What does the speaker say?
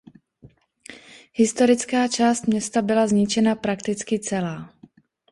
Historická část města byla zničena prakticky celá.